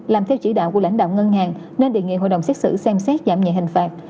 làm theo chỉ đạo của lãnh đạo ngân hàng nên đề nghị hội đồng xét xử xem xét giảm nhẹ hình phạt